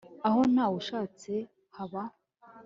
aho ntawe ushatse, haba